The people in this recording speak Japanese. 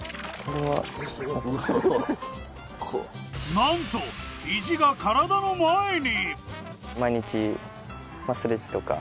なんと肘が体の前に！